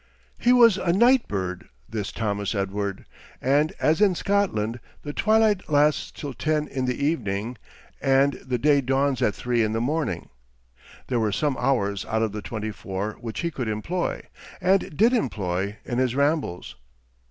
He was a night bird, this Thomas Edward; and as in Scotland the twilight lasts till ten in the evening and the day dawns at three in the morning, there were some hours out of the twenty four which he could employ, and did employ, in his rambles.